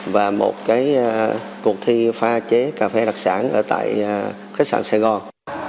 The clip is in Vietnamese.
và một cuộc thi pha chế cà phê đặc sản ở tại khách sạn sài gòn